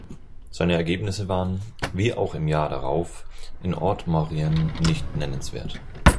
Seine Ergebnisse waren, wie auch im Jahr darauf in Haute-Maurienne, nicht nennenswert.